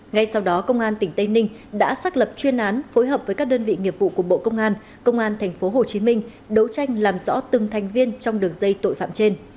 ngay sau đó công an tỉnh tây ninh đã xác lập chuyên án phối hợp với các đơn vị nghiệp vụ của bộ công an công an tp hcm đấu tranh làm rõ từng thành viên trong đường dây tội phạm trên